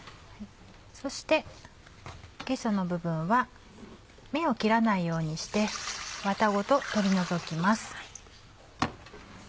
そしてゲソの部分は目を切らないようにしてワタごと取り除きます。